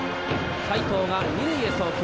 斉藤が二塁へ送球。